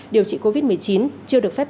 điều trị covid một mươi chín chưa được phép